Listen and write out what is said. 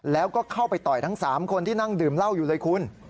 แล้วก็เข้าไปต่อยทั้ง๓คนที่นั่งดื่มเหล้าอยู่เลยคุณ